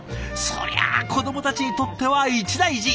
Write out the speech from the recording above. そりゃあ子どもたちにとっては一大事！